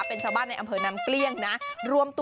ประมาณ๑๐คนมาเป็นกลุ่ม